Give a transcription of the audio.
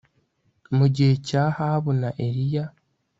mu gihe cya Ahabu na Eliya